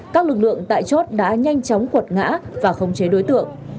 các lực lượng tại chốt đã nhanh chóng quật ngã và không chế đối tượng